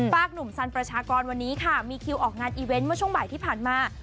หนุ่มสันประชากรวันนี้ค่ะมีคิวออกงานอีเวนต์เมื่อช่วงบ่ายที่ผ่านมา